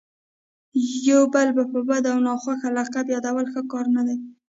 یو بل په بد او ناخوښه لقب یادول ښه کار نه دئ.